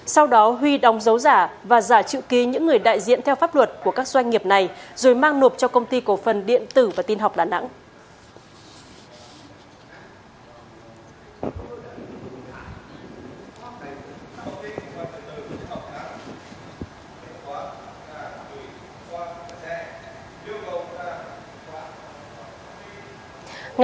sau đó huy đóng dấu giả và giả trự ký những người đại diện theo pháp luật của các doanh nghiệp này rồi mang nộp cho công ty cổ phần điện tử và tin học lã nẵng